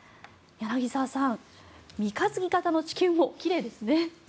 柳澤さん、三日月形の地球も奇麗ですね。